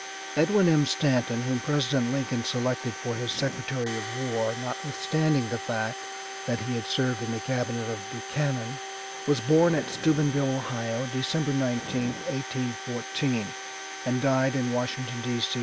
Edwin M. Stanton, whom President Lincoln selected for his Secretary of War, notwithstanding the fact that he had served in the cabinet of Buchanan, was born at Steubenville, Ohio, December 19th, 1814, and died in Washington, D. C.